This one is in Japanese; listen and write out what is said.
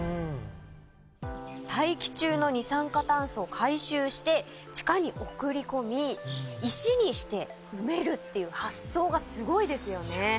大気中の二酸化炭素を回収して地下に送り込み石にして埋めるっていう発想がすごいですよね。